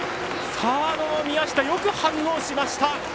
サードの宮下、よく反応しました。